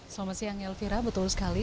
selamat siang elvira betul sekali